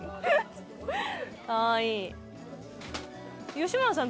吉村さん